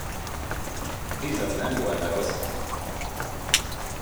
Biz az nem volna rossz!